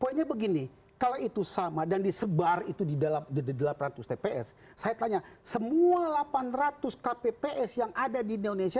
poinnya begini kalau itu sama dan disebar itu di dalam delapan ratus tps saya tanya semua delapan ratus kpps yang ada di indonesia